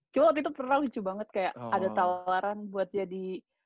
cuma waktu itu pernah lucu banget kayak ada tawaran buat jadi